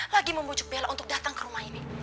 lagi membujuk bella untuk datang ke rumah ini